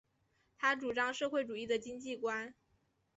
他主张社会主义的经济观。